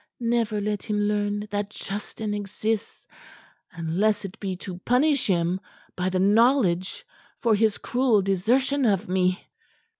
Never let him learn that Justin exists, unless it be to punish him by the knowledge for his cruel desertion of me."